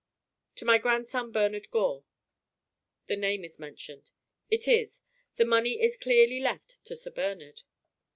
'" "To my grandson Bernard Gore." "The name is mentioned." "It is. The money is clearly left to Sir Bernard."